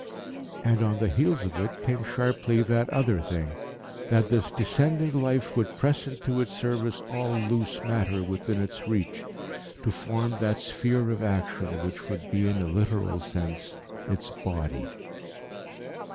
And on the heels of it came sharply that other thing: that this descending Life would press into its service all loose matter within its reach to form that sphere of action which would be in a literal sense its Body.